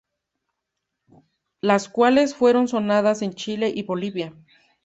Las cuales fueron sonadas en Chile y Bolivia.